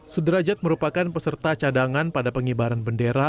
sudrajat merupakan peserta cadangan pada pengibaran bendera